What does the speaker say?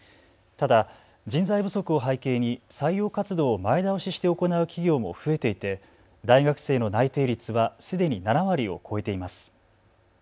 ただ人材不足を背景に採用活動を前倒しして行う企業も増えていて大学生の内定率はすでに７割を超えています。